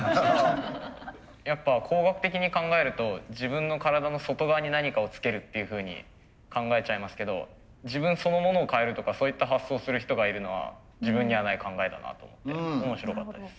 やっぱ工学的に考えると自分の体の外側に何かをつけるっていうふうに考えちゃいますけど自分そのものを変えるとかそういった発想する人がいるのは自分にはない考えだなと思って面白かったです。